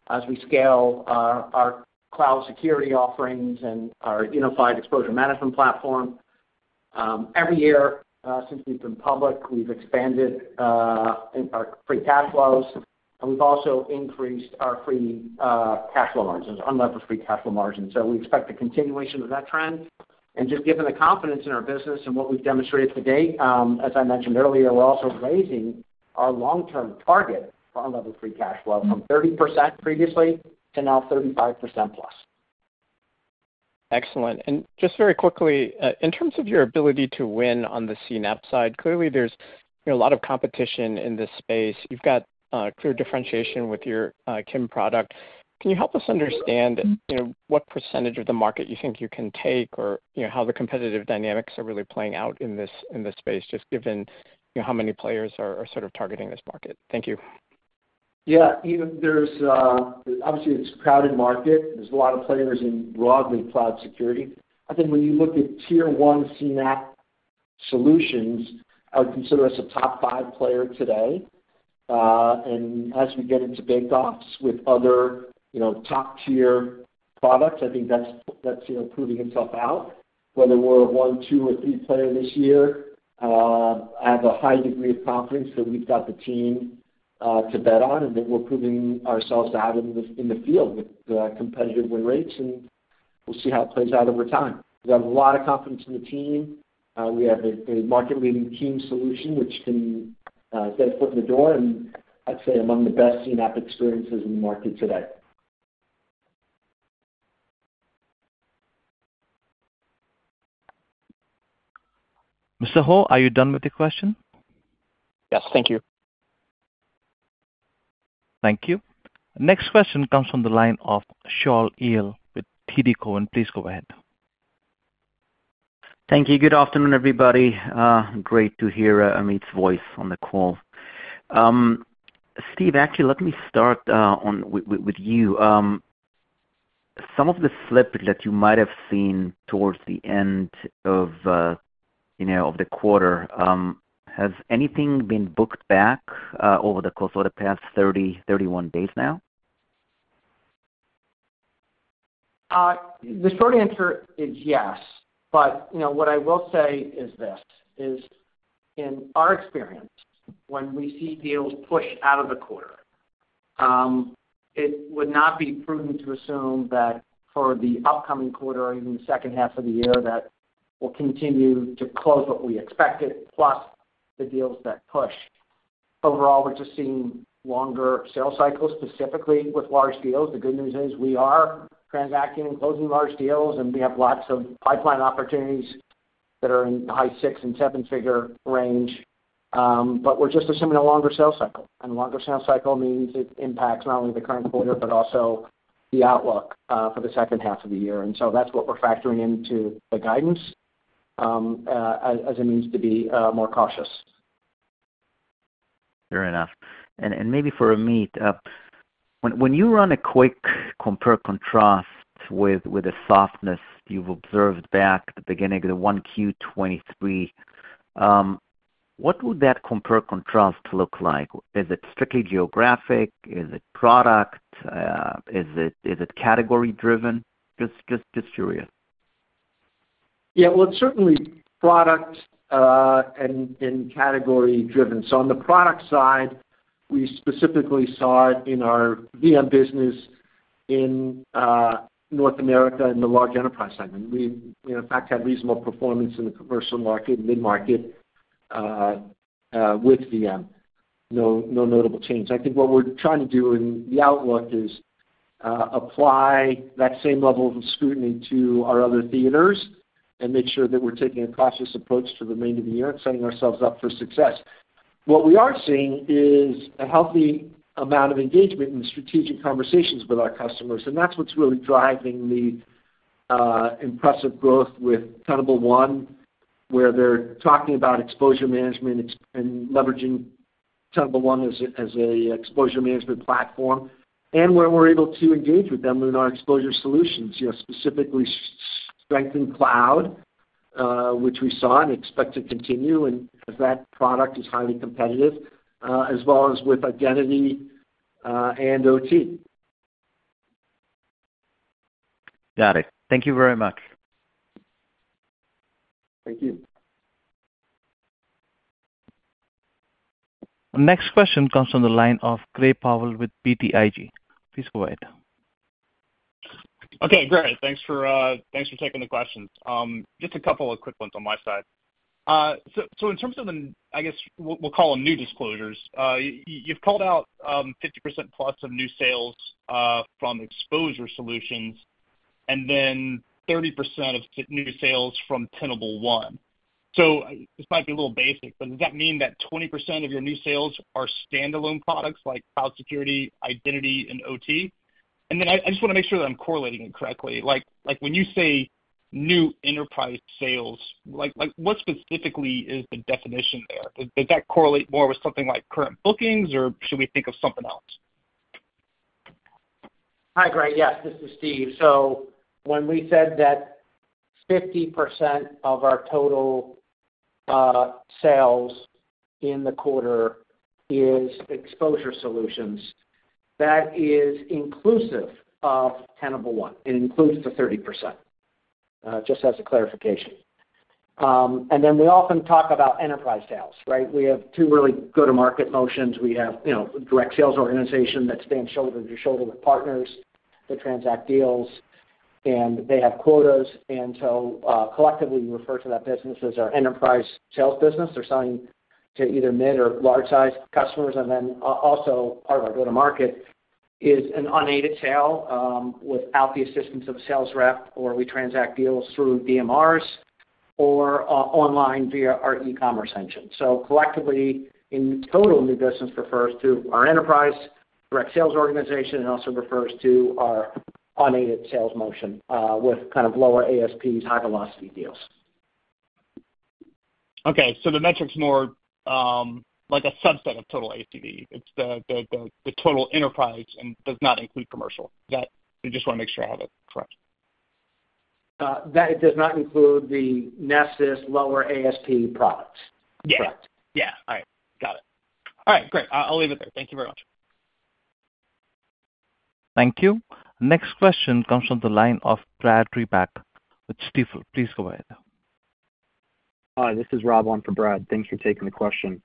S3: as we scale our, our cloud security offerings and our unified exposure management platform. Every year, since we've been public, we've expanded, in our free cash flows, and we've also increased our free, cash flow margins, unlevered free cash flow margins. So we expect a continuation of that trend. And just given the confidence in our business and what we've demonstrated to date, as I mentioned earlier, we're also raising our long-term target for unlevered free cash flow from 30% previously to now 35% plus.
S12: Excellent. And just very quickly, in terms of your ability to win on the CNAPP side, clearly, there's, you know, a lot of competition in this space. You've got, clear differentiation with your, CIEM product. Can you help us understand, you know, what percentage of the market you think you can take, or, you know, how the competitive dynamics are really playing out in this, in this space, just given, you know, how many players are, are sort of targeting this market? Thank you.
S3: Yeah, you know, there's obviously it's a crowded market. There's a lot of players in broadly cloud security. I think when you look at tier one CNAPP solutions, I would consider us a top five player today. And as we get into bake-offs with other, you know, top-tier products, I think that's proving itself out. Whether we're a one, two, or three player this year, I have a high degree of confidence that we've got the team to bet on, and that we're proving ourselves to have in the, in the field with competitive win rates, and we'll see how it plays out over time. We have a lot of confidence in the team. We have a market-leading Tenable solution, which can get a foot in the door, and I'd say among the best CNAPP experiences in the market today.
S1: Mr. Ho, are you done with your question?
S12: Yes, thank you.
S1: Thank you. Next question comes from the line of Shaul Eyal with TD Cowen. Please go ahead.
S13: Thank you. Good afternoon, everybody. Great to hear Amit's voice on the call. Steve, actually, let me start with you. Some of the slip that you might have seen towards the end of, you know, of the quarter, has anything been booked back over the course of the past 30, 31 days now?
S4: The short answer is yes. But, you know, what I will say is this, is in our experience, when we see deals pushed out of the quarter, it would not be prudent to assume that for the upcoming quarter or even the second half of the year, that we'll continue to close what we expected, plus the deals that pushed. Overall, we're just seeing longer sales cycles, specifically with large deals. The good news is we are transacting and closing large deals, and we have lots of pipeline opportunities that are in the high six and seven-figure range. But we're just assuming a longer sales cycle. And a longer sales cycle means it impacts not only the current quarter, but also the outlook, for the second half of the year. And so that's what we're factoring into the guidance, as it means to be more cautious.
S13: Fair enough. And maybe for Amit, when you run a quick compare-contrast with the softness you've observed back at the beginning of 1Q23, what would that compare-contrast look like? Is it strictly geographic? Is it product? Is it category-driven? Just curious.
S3: Yeah, well, it's certainly product and category-driven. So on the product side, we specifically saw it in our VM business in North America in the large enterprise segment. We in fact had reasonable performance in the commercial market, mid-market, with VM. No notable change. I think what we're trying to do in the outlook is apply that same level of scrutiny to our other theaters and make sure that we're taking a cautious approach for the remainder of the year and setting ourselves up for success. What we are seeing is a healthy amount of engagement in strategic conversations with our customers, and that's what's really driving the impressive growth with Tenable One, where they're talking about exposure management and leveraging Tenable One as a exposure management platform, and where we're able to engage with them in our exposure solutions, you know, specifically strength in cloud, which we saw and expect to continue, and as that product is highly competitive, as well as with identity and OT.
S13: Got it. Thank you very much.
S3: Thank you.
S1: The next question comes from the line of Gray Powell with BTIG. Please go ahead.
S14: Okay, great. Thanks for taking the questions. Just a couple of quick ones on my side. So in terms of the, I guess, we'll call them new disclosures, you've called out 50% plus of new sales from exposure solutions, and then 30% of new sales from Tenable One. So this might be a little basic, but does that mean that 20% of your new sales are standalone products, like cloud security, identity, and OT? And then I just wanna make sure that I'm correlating it correctly. Like, when you say new enterprise sales, like, what specifically is the definition there? Does that correlate more with something like current bookings, or should we think of something else?
S3: Hi, Gray. Yes, this is Steve. So when we said that 50% of our total sales in the quarter is exposure solutions, that is inclusive of Tenable One. It includes the 30%, just as a clarification. And then we often talk about enterprise sales, right? We have two really go-to-market motions. We have, you know, a direct sales organization that stands shoulder to shoulder with partners to transact deals, and they have quotas. And so, collectively, we refer to that business as our enterprise sales business. They're selling to either mid or large-sized customers, and then, also part of our go-to-market is an unaided sale, without the assistance of a sales rep, or we transact deals through DMRs or online via our e-commerce engine. Collectively, in total, new business refers to our enterprise direct sales organization and also refers to our unaided sales motion, with kind of lower ASPs, high-velocity deals.
S14: Okay, so the metric's more like a subset of total ACV. It's the total enterprise and does not include commercial. That—I just want to make sure I have it correct.
S3: That it does not include the Nessus lower ASP products.
S14: Yeah.
S3: Correct.
S14: Yeah. All right, got it. All right, great. I'll leave it there. Thank you very much.
S1: Thank you. Next question comes from the line of Brad Reback with Stifel. Please go ahead.
S15: Hi, this is Rob on for Brad. Thanks for taking the question.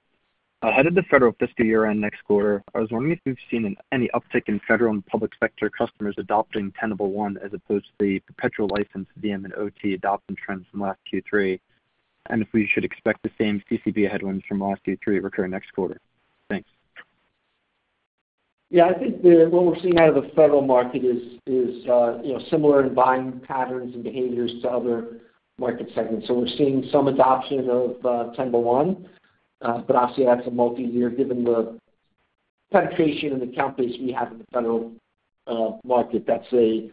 S15: How does the federal fiscal year end next quarter? I was wondering if you've seen any uptick in federal and public sector customers adopting Tenable One, as opposed to the perpetual license VM and OT adoption trends from last Q3, and if we should expect the same CCB headwinds from last Q3 recurring next quarter? Thanks.
S3: Yeah, I think what we're seeing out of the federal market is, you know, similar in buying patterns and behaviors to other market segments. So we're seeing some adoption of Tenable One, but obviously, that's a multi-year, given the penetration and account base we have in the federal market. That's a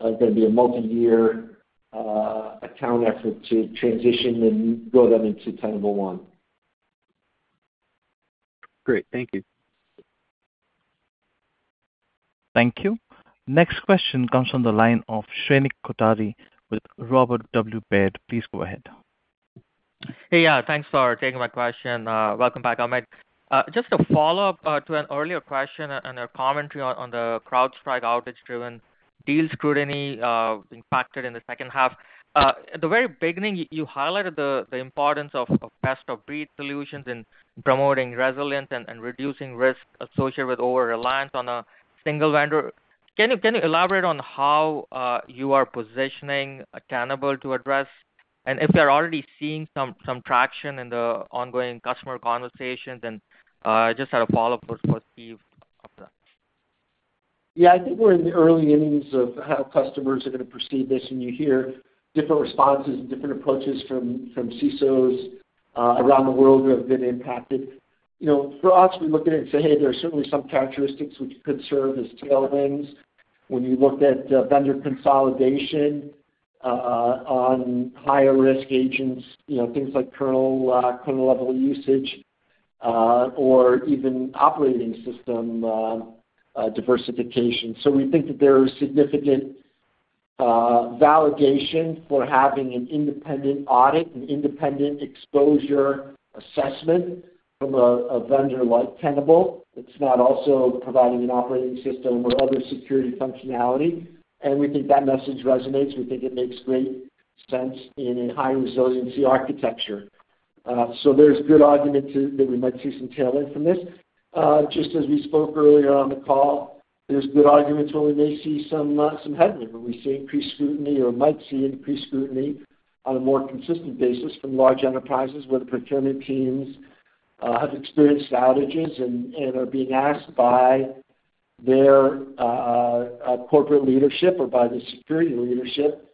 S3: gonna be a multi-year account effort to transition and grow them into Tenable One.
S15: Great. Thank you.
S1: Thank you. Next question comes from the line of Shrenik Kothari with Robert W. Baird. Please go ahead.
S16: Hey, yeah, thanks for taking my question. Welcome back, Amit. Just a follow-up to an earlier question and a commentary on the CrowdStrike outage-driven deal scrutiny impacted in the second half. At the very beginning, you highlighted the importance of best-of-breed solutions in promoting resilience and reducing risk associated with over-reliance on a single vendor. Can you elaborate on how you are positioning Tenable to address? And if you're already seeing some traction in the ongoing customer conversations, and just had a follow-up for Steve after that.
S3: Yeah, I think we're in the early innings of how customers are going to perceive this, and you hear different responses and different approaches from CISOs around the world who have been impacted. You know, for us, we look at it and say, hey, there are certainly some characteristics which could serve as tailwinds when you looked at vendor consolidation on higher risk agents, you know, things like kernel kernel-level usage or even operating system diversification. So we think that there is significant validation for having an independent audit, an independent exposure assessment from a vendor like Tenable. It's not also providing an operating system or other security functionality, and we think that message resonates. We think it makes great sense in a high-resiliency architecture. So there's good argument that we might see some tailwind from this. Just as we spoke earlier on the call, there's good argument where we may see some headwind, where we see increased scrutiny or might see increased scrutiny on a more consistent basis from large enterprises, where the procurement teams have experienced outages and are being asked by their corporate leadership or by the security leadership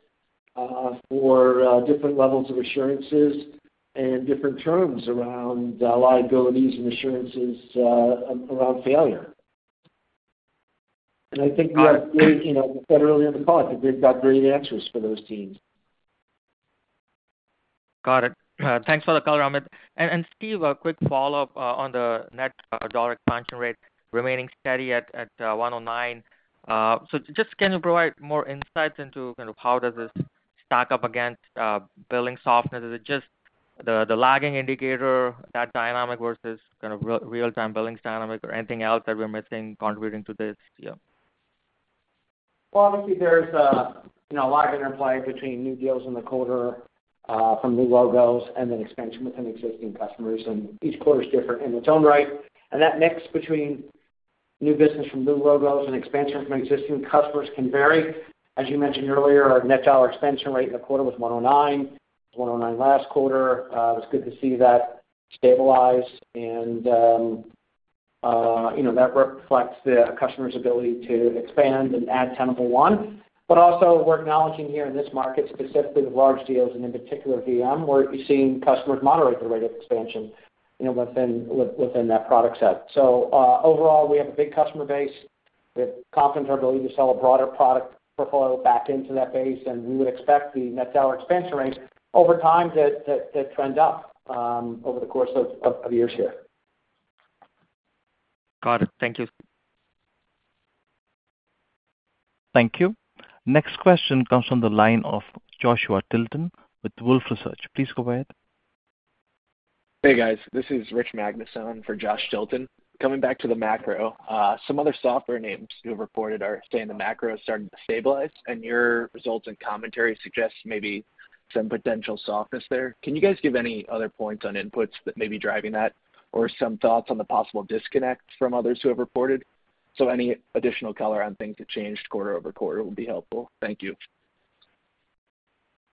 S3: for different levels of assurances and different terms around liabilities and assurances around failure. And I think we have great, you know, said earlier in the call, I think we've got great answers for those teams.
S16: Got it. Thanks for the call, Amit. And Steve, a quick follow-up on the net dollar expansion rate remaining steady at 109. So just can you provide more insights into kind of how does this stack up against billing softness? Is it just the lagging indicator, that dynamic versus kind of real-time billings dynamic or anything else that we're missing contributing to this deal?
S4: Well, obviously, there's, you know, a lot of interplay between new deals in the quarter, from new logos and then expansion within existing customers, and each quarter is different in its own right. And that mix between new business from new logos and expansion from existing customers can vary. As you mentioned earlier, our net dollar expansion rate in the quarter was 109, 109 last quarter. It's good to see that stabilize, and, you know, that reflects the customer's ability to expand and add Tenable One. But also, we're acknowledging here in this market, specifically with large deals, and in particular, VM, where you're seeing customers moderate the rate of expansion, you know, within that product set. So, overall, we have a big customer base.
S3: We're confident in our ability to sell a broader product portfolio back into that base, and we would expect the net dollar expansion rates over time to trend up, over the course of years here.
S16: Got it. Thank you.
S1: Thank you. Next question comes from the line of Joshua Tilton with Wolfe Research. Please go ahead.
S17: Hey, guys. This is Rich Magnuson for Josh Tilton. Coming back to the macro, some other software names who have reported are saying the macro is starting to stabilize, and your results and commentary suggests maybe some potential softness there. Can you guys give any other points on inputs that may be driving that, or some thoughts on the possible disconnect from others who have reported? So any additional color on things that changed quarter-over-quarter would be helpful. Thank you.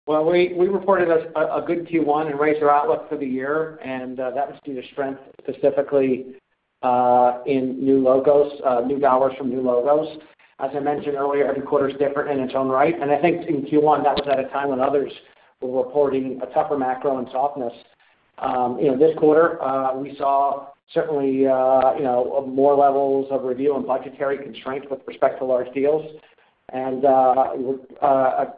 S3: Well, we reported a good Q1 and raised our outlook for the year, and that was due to strength specifically in new logos, new dollars from new logos. As I mentioned earlier, every quarter is different in its own right, and I think in Q1, that was at a time when others were reporting a tougher macro and softness. You know, this quarter, we saw certainly you know, more levels of review and budgetary constraints with respect to large deals, and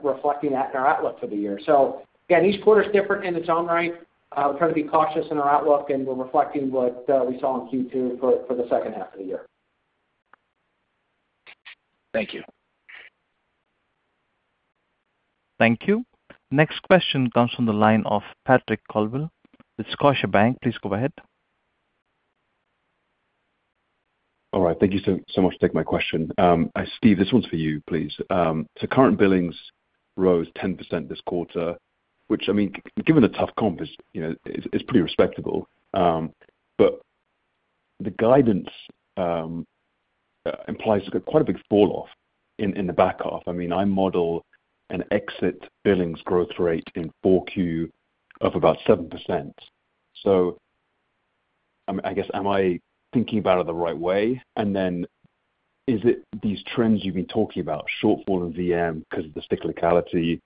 S3: reflecting that in our outlook for the year. So again, each quarter is different in its own right. We're trying to be cautious in our outlook, and we're reflecting what we saw in Q2 for the second half of the year.
S18: Thank you.
S1: Thank you. Next question comes from the line of Patrick Colville with Scotiabank. Please go ahead.
S19: All right. Thank you so, so much to take my question. Steve, this one's for you, please. So current billings rose 10% this quarter, which, I mean, given the tough comp is, you know, pretty respectable. But the guidance implies quite a big falloff in the back half. I mean, I model an exit billings growth rate in Q4 of about 7%. So, I guess, am I thinking about it the right way? And then is it these trends you've been talking about, shortfall in VM because of the cyclicality,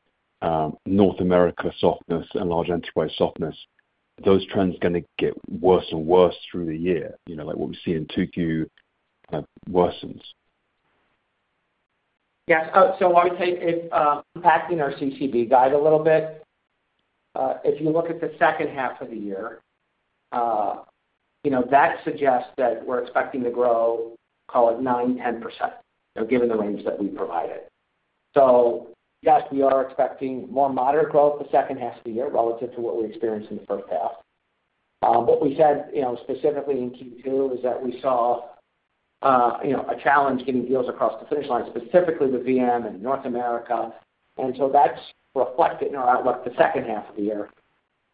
S19: North America softness and large enterprise softness, are those trends gonna get worse and worse through the year? You know, like what we see in 2Q worsens.
S4: Yes. So I would say if unpacking our CCB guide a little bit, if you look at the second half of the year, you know, that suggests that we're expecting to grow, call it 9%-10%, you know, given the range that we provided. So yes, we are expecting more moderate growth the second half of the year relative to what we experienced in the first half. What we said, you know, specifically in Q2 is that we saw, you know, a challenge getting deals across the finish line, specifically with VM in North America. And so that's reflected in our outlook the second half of the year,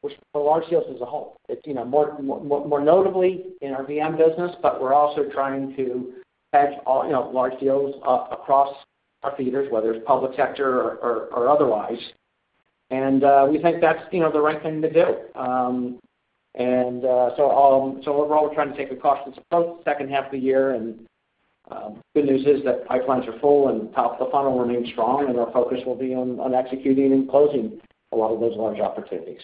S4: which for large deals as a whole, it's, you know, more notably in our VM business, but we're also trying to hedge all, you know, large deals across our theaters, whether it's public sector or otherwise. And we think that's, you know, the right thing to do. Overall, we're trying to take a cautious approach the second half of the year, and good news is that pipelines are full, and top of the funnel remains strong, and our focus will be on executing and closing a lot of those large opportunities.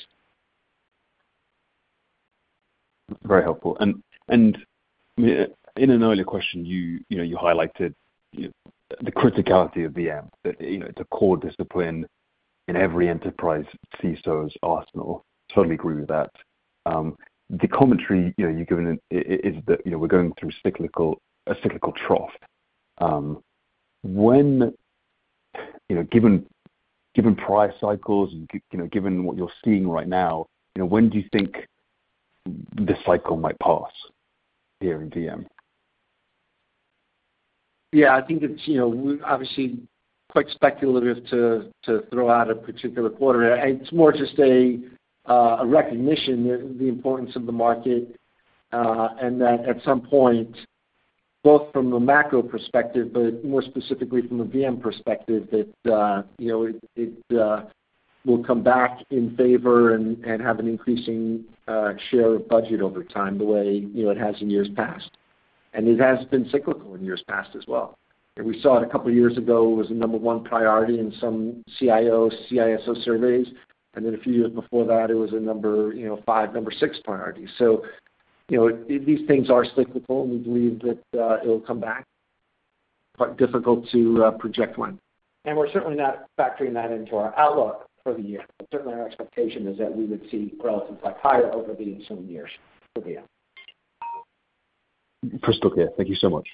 S19: Very helpful. And in an earlier question, you know, you highlighted the criticality of VM, that, you know, it's a core discipline in every enterprise CISO's arsenal. Totally agree with that. The commentary, you know, you've given is that, you know, we're going through a cyclical trough. When you know, given prior cycles and you know, given what you're seeing right now, you know, when do you think this cycle might pass here in VM?
S3: Yeah, I think it's, you know, we obviously quite speculative to throw out a particular quarter. It's more just a recognition that the importance of the market, and that at some point, both from a macro perspective, but more specifically from a VM perspective, that, you know, it will come back in favor and have an increasing share of budget over time, the way, you know, it has in years past. And it has been cyclical in years past as well. And we saw it a couple of years ago, it was the number one priority in some CIO, CISO surveys, and then a few years before that, it was a number, you know, five, number six priority. So you know, these things are cyclical, and we believe that it'll come back, but difficult to project when. We're certainly not factoring that into our outlook for the year. Certainly our expectation is that we would see relative highs over the coming years for VM.
S19: Crystal clear. Thank you so much.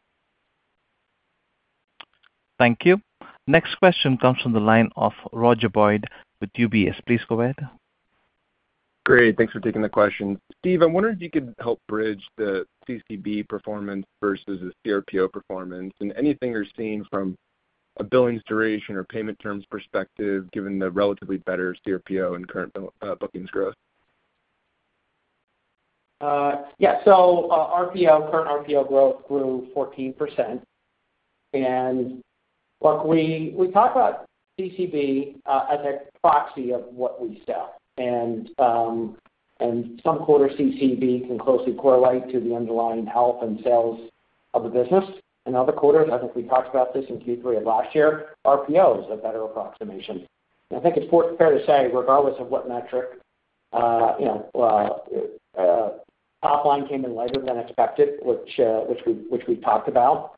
S1: Thank you. Next question comes from the line of Roger Boyd with UBS. Please go ahead.
S20: Great, thanks for taking the question. Steve, I'm wondering if you could help bridge the CCB performance versus the CRPO performance, and anything you're seeing from a billings duration or payment terms perspective, given the relatively better CRPO and current, bookings growth.
S4: Yeah. So, RPO, current RPO growth grew 14%. And look, we talk about CCB as a proxy of what we sell. And some quarters, CCB can closely correlate to the underlying health and sales of the business. In other quarters, I think we talked about this in Q3 of last year, RPO is a better approximation. And I think it's fair to say, regardless of what metric, you know, well, top line came in lighter than expected, which we talked about.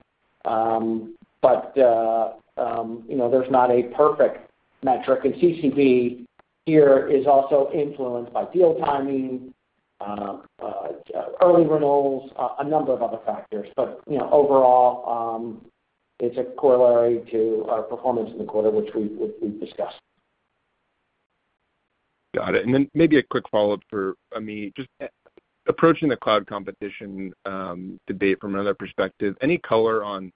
S4: But you know, there's not a perfect metric, and CCB here is also influenced by deal timing, early renewals, a number of other factors. But you know, overall, it's a corollary to our performance in the quarter, which we've discussed.
S20: Got it. And then maybe a quick follow-up for Amit. Just approaching the cloud competition, debate from another perspective, any color on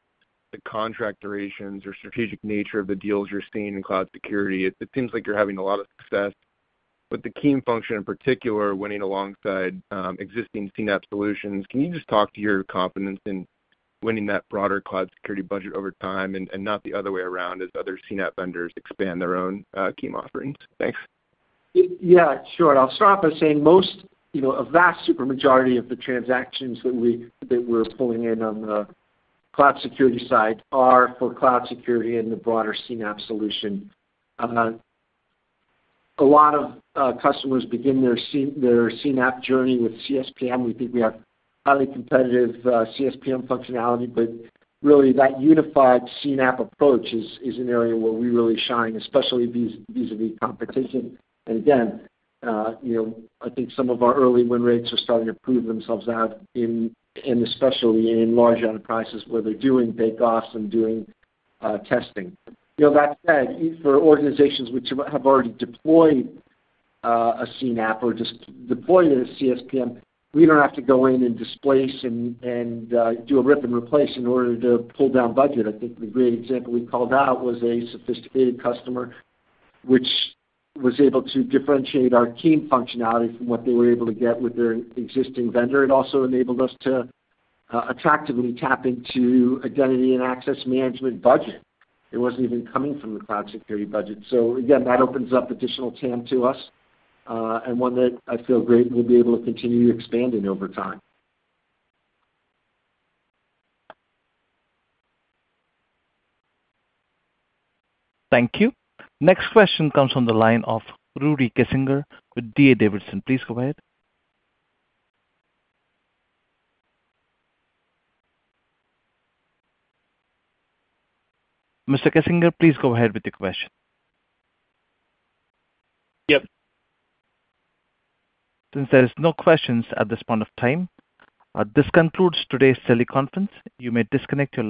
S20: the contract durations or strategic nature of the deals you're seeing in cloud security? It seems like you're having a lot of success. With the key function in particular, winning alongside, existing CNAPP solutions, can you just talk to your confidence in winning that broader cloud security budget over time and not the other way around as other CNAPP vendors expand their own, key offerings? Thanks.
S3: Yeah, sure. I'll start by saying most, you know, a vast super majority of the transactions that we, that we're pulling in on the cloud security side are for cloud security and the broader CNAPP solution. A lot of customers begin their CNAPP journey with CSPM. We think we have highly competitive CSPM functionality, but really, that unified CNAPP approach is an area where we really shine, especially vis-à-vis competition. And again, you know, I think some of our early win rates are starting to prove themselves out, especially in large enterprises where they're doing bake-offs and doing testing. You know, that said, for organizations which have already deployed a CNAPP or just deployed a CSPM, we don't have to go in and displace and do a rip and replace in order to pull down budget. I think the great example we called out was a sophisticated customer, which was able to differentiate our key functionality from what they were able to get with their existing vendor. It also enabled us to attractively tap into identity and access management budget. It wasn't even coming from the cloud security budget. So again, that opens up additional TAM to us, and one that I feel great we'll be able to continue expanding over time.
S1: Thank you. Next question comes from the line of Rudy Kessinger with D.A. Davidson. Please go ahead. Mr. Kessinger, please go ahead with the question.
S3: Yep.
S1: Since there's no questions at this point of time, this concludes today's teleconference. You may disconnect your lines.